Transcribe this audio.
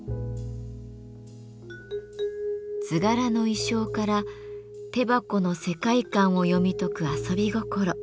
図柄の意匠から手箱の世界観を読み解く遊び心。